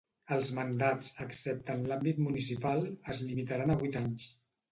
Els mandats, excepte en l’àmbit municipal, es limitaran a vuit anys.